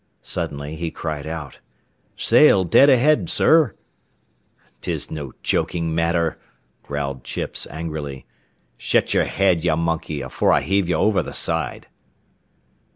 Suddenly he cried out: "Sail dead ahead, sir!" "'Tis no jokin' matter," growled Chips, angrily. "Shet yer head, ye monkey, afore I heave ye over th' side."